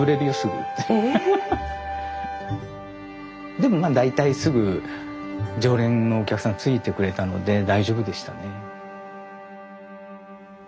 でもまあ大体すぐ常連のお客さんついてくれたので大丈夫でしたね。